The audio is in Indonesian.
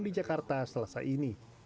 di jakarta selesai ini